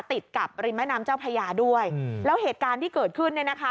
ติดกับริมแม่น้ำเจ้าพระยาด้วยแล้วเหตุการณ์ที่เกิดขึ้นเนี่ยนะคะ